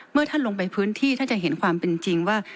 เมื่อท่านลงไปพื้นที่ท่านจะเห็นความเป็นจริงว่า